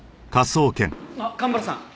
あっ蒲原さん！